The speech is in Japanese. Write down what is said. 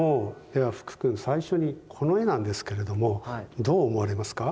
では福くん最初にこの絵なんですけれどもどう思われますか？